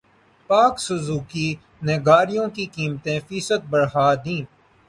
پاک سوزوکی نے گاڑیوں کی قیمتیں فیصد بڑھا دیں